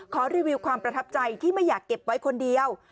รีวิวความประทับใจที่ไม่อยากเก็บไว้คนเดียว